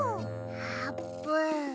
あーぷん。